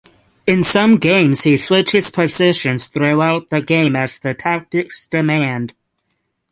In some games he switches positions throughout the game as the tactics demand.